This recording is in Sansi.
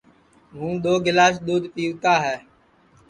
ہُوں دؔو گِلاس دؔودھ پِیوتا ہے